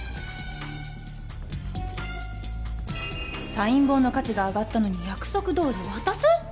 サイン本の価値が上がったのに約束どおり渡す？